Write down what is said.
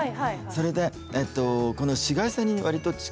それでこの紫外線に割と近いから。